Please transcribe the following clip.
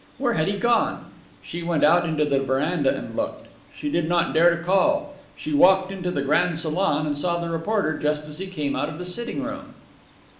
Where had he gone? She went out into the veranda and looked. She did not dare to call. She walked into the grand salon and saw the reporter just as he came out of the sitting room.